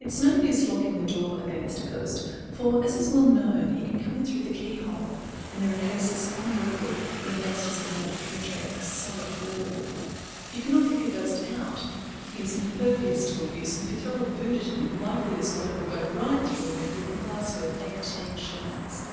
It is no use locking the door against a ghost, for, as is well known, he can come in through the key hole, and there are cases on record when a ghost has been known to penetrate a solid wall. You cannot kick a ghost out; he is impervious to abuse, and if you throw a boot at him, likely as not it will go right through a new looking glass worth eighteen shillings.